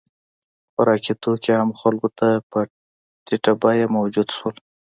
• خوراکي توکي عامو خلکو ته په ټیټه بیه موجود شول.